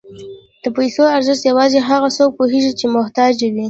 د پیسو ارزښت یوازې هغه څوک پوهېږي چې محتاج وي.